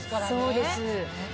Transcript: そうです。